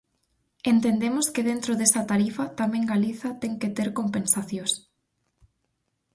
Entendemos que dentro desa tarifa tamén Galiza ten que ter compensacións.